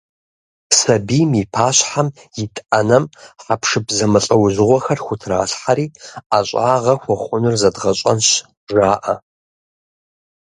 Сабийм и пащхьэм ит Ӏэнэм хьэпшып зэмылӀэужьыгъуэхэр хутралъхьэри, «ӀэщӀагъэ хуэхъунур зэдгъэщӀэнщ» жаӀэ.